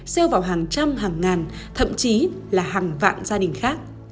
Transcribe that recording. gieo vào hàng trăm hàng ngàn thậm chí là hàng vạn gia đình khác